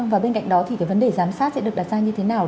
và bên cạnh đó thì cái vấn đề giám sát sẽ được đặt ra như thế nào